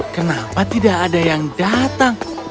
kenapa tidak ada yang datang